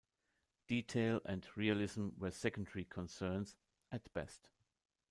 Detail and realism were secondary concerns, at best.